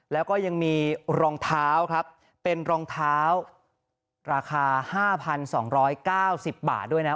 แล้วก็ยังมีรองเท้าครับเป็นรองเท้าราคาห้าพันสองร้อยเก้าสิบบาทด้วยนะ